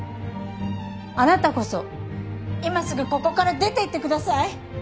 あなたこそ今すぐここから出ていってください。